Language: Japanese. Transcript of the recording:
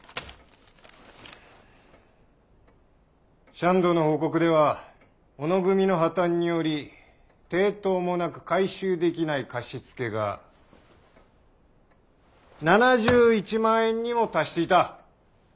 シャンドの報告では小野組の破綻により抵当もなく回収できない貸し付けが７１万円にも達していた。